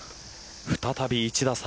再び１打差。